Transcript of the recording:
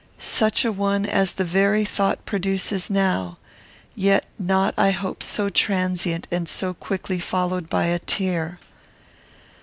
Such a one as the very thought produces now, yet not, I hope, so transient, and so quickly followed by a tear.